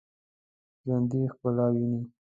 ژوندي ښکلا ویني